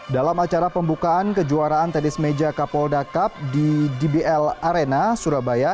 dalam acara pembukaan kejuaraan tenis meja kapolda cup di dbl arena surabaya